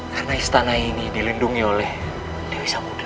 karena istana ini dilindungi oleh dewi samudera